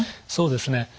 そうですね。